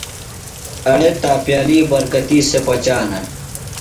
ایڑے تاپییلی برکتی سےۡ پچانہ۔